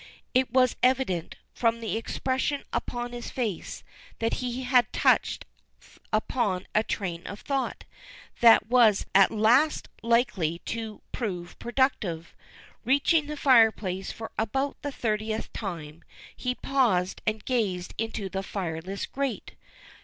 It was evident, from the expression upon his face, that he had touched upon a train of thought that was at last likely to prove productive. Reaching the fireplace for about the thirtieth time, he paused and gazed into the fireless grate.